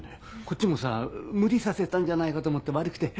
こっちもさ無理させたんじゃないかと思って悪くて。